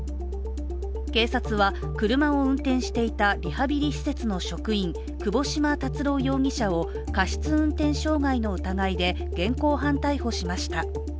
警察は、車を運転していたリハビリ施設の職員窪島達郎容疑者を過失運転傷害の疑いで現行犯逮捕しました。